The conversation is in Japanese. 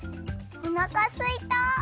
おなかすいた。